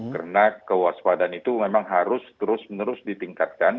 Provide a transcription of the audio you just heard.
karena kewaspadaan itu memang harus terus menerus ditingkatkan